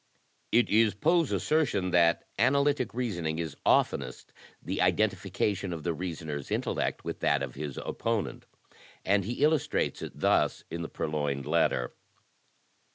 It is Poe's assertion that analytic reasoning is oftenest the identification of the reasoner's intellect with that of his oppo nent, and he illustrates it thus, in "The Purloined Letter."